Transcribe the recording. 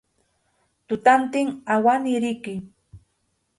Tutantin awaniriki.